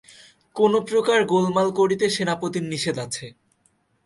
কোনোপ্রকার গোলমাল করিতে সেনাপতির নিষেধ আছে।